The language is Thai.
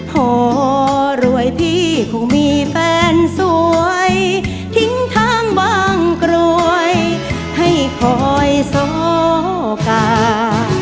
พอรวยพี่คงมีแฟนสวยทิ้งทางบางกรวยให้คอยสอกา